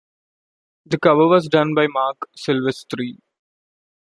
The cover was done by Marc Silvestri.